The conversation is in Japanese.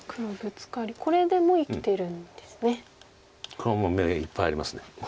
黒もう眼がいっぱいあります。